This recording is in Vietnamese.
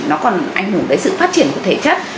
nó còn ảnh hưởng tới sự phát triển của thể chất